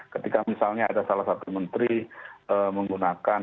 ketika misalnya ada salah satu menteri menggunakan